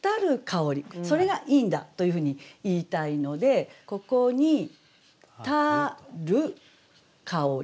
それがいいんだというふうに言いたいのでここに「たる香り」。